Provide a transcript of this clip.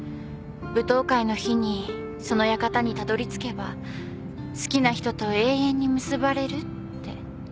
舞踏会の日にその館にたどりつけば好きな人と永遠に結ばれるって。